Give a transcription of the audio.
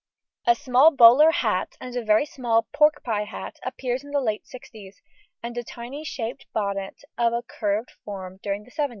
A small bowler hat and a very small "pork pie" hat appears in the late sixties, and a tiny shaped bonnet of a curved form during the seventies.